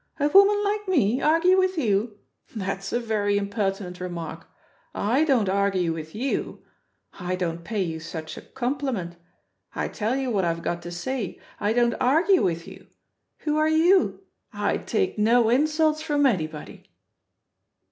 A woman like me argue with you? That's a very impertinent remark 1 I don't argue with you; I don't pay you such a compliment. I tell you what I've got to say, I don't argue with you. Who are you? I take no insults from anybody."